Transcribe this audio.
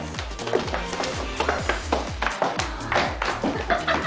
ハハハハ！